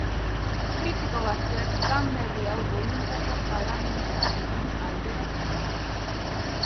Kritiko batzuek plan berri hau boluntario paramilitarrekin alderatu dute.